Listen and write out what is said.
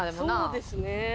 そうですね。